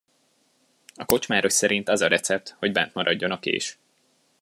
A kocsmáros szerint az a recept, hogy bent maradjon a kés.